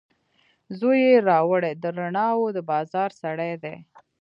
زوی یې راوړي، د رڼاوو دبازار سړی دی